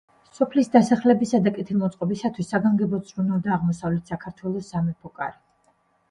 სოფლის დასახლებისა და კეთილმოწყობისათვის საგანგებოდ ზრუნავდა აღმოსავლეთ საქართველოს სამეფო კარი.